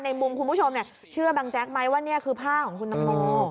มุมคุณผู้ชมเชื่อบังแจ๊กไหมว่านี่คือผ้าของคุณตังโม